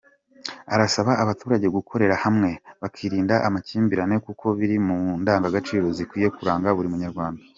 Arasaba abaturage gukorera hamwe, bakirinda amakimbirane kuko biri mu ndagagaciro zikwiye kuranga buri munyarwanda.